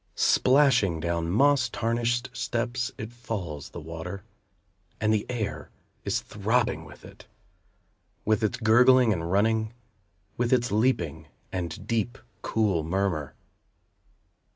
Splashing down moss tarnished steps It falls, the water; And the air is throbbing with it. With its gurgling and running. With its leaping, and deep, cool murmur.